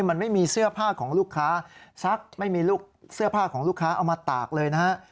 มันไม่มีเสื้อผ้าของลูกค้าเอามาตากเลยนะฮะ